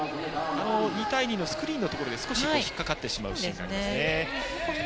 ２対２のスクリーンで引っかかってしまうシーンがありますね。